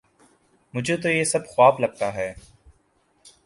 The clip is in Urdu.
مجھے تو یہ سب خواب لگتا ہے